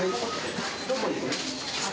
どこ行くの？